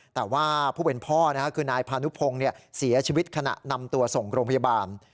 แต่ว่าผู้เป็นพ่อคือนายพานุพงศ์เสียชีวิตขณะนำตัวส่งโรงพยาบาล